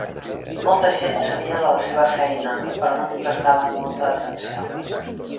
Molta gent sabia de la seva feina però no li prestaven molta atenció.